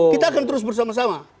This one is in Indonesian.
kita akan terus bersama sama